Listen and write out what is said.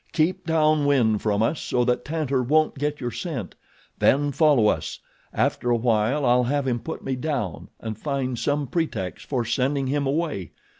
"Keep down wind from us so that Tantor won't get your scent, then follow us. After a while I'll have him put me down, and find some pretext for sending him away.